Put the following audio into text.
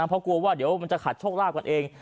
เพราะกลัวว่าเดี๋ยวมันจะขัดโชคลาภกันเอง